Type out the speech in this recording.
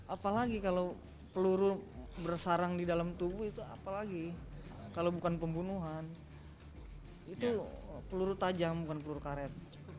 apalagi kalau peluru bersarang di dalam tubuh itu apalagi kalau bukan pembunuhan itu peluru tajam bukan peluru karet